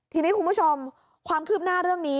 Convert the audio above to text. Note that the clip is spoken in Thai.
ทีนี้คุณผู้ชมความคืบหน้าเรื่องนี้